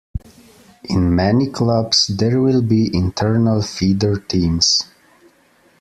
In many clubs, there will be internal feeder teams.